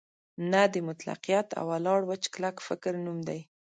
نه د مطلقیت او ولاړ وچ کلک فکر نوم دی.